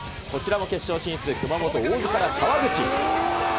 こちらも決勝進出、熊本・大津から川口。